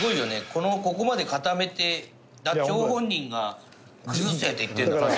このここまで固めた張本人が崩せって言ってるんだから。